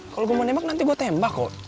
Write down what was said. kalau gue mau nembak nanti gue tembak kok